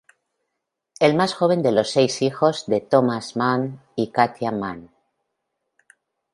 El más joven de los seis hijos de Thomas Mann y Katia Mann.